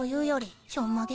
ちょんまげ。